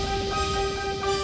kau tetap seperti podemos